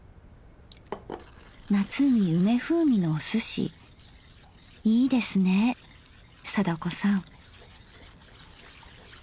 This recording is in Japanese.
夏に梅風味のおすしいいですね貞子さん。